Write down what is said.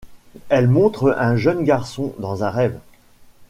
Elle montre un jeune garçon dans un rêve.